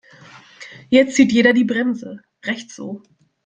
Jetzt zieht jeder die Bremse, recht so.